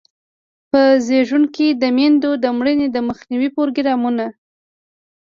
په زیږون کې د میندو د مړینې د مخنیوي پروګرامونه.